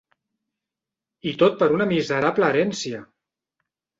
I tot per una miserable herència!